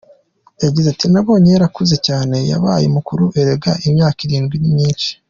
Yagize ati “Nabonye yarakuze cyane, yabaye mukuru, erega imyaka irindwi ni myinshi.